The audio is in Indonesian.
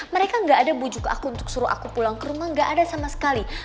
mereka nggak ada bujuk aku untuk suruh aku pulang ke rumah gak ada sama sekali